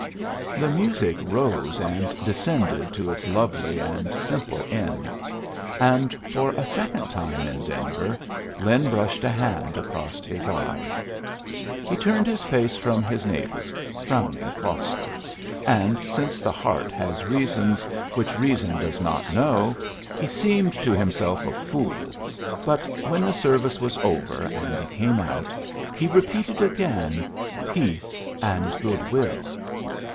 The music rose and descended to its lovely and simple end; and, for a second time in Denver, Lin brushed a hand across his eyes. He turned his face from his neighbor, frowning crossly; and since the heart has reasons which Reason does not know, he seemed to himself a fool; but when the service was over and he came out, he repeated again, "'Peace and good will.'